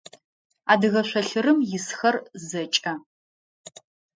Адыгэ шъолъырым исхэр зэкӏэ.